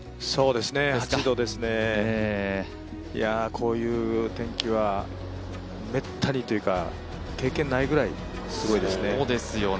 こういう天気はめったにというか、経験ないぐらいすごいですね。